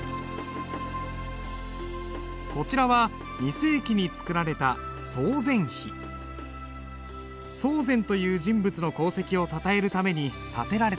こちらは２世紀に作られた曹全という人物の功績をたたえるために建てられた碑だ。